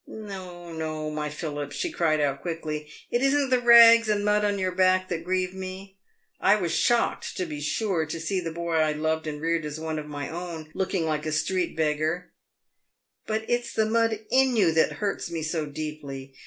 " No, no, my Philip," she cried out, quickly ;" it isn't the rags and mud on your back that grieve me. I was shocked, to be sure, to see the boy I loved and reared as one of my own, looking like a street beggar, but it's the mud in you that hurts me so deeply.